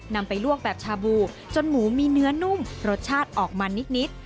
นำไปลวกแบบชาบูจนหมูมีเนื้อนุ่มรสชาติออกมานิด